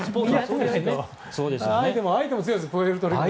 相手も強いです、プエルトリコ。